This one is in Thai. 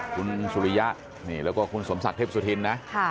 คุณสุริยะนี่แล้วก็คุณสมศักดิ์เทพสุธินนะ